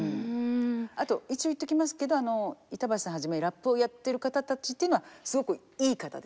あと一応言っときますけど板橋さんはじめラップをやってる方たちっていうのはすごくイイ方です。